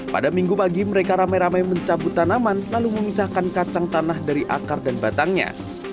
pada minggu pagi mereka rame rame mencabut tanaman lalu mengisahkan kacang tanah dari akar dan batangnya